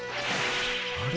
あれ？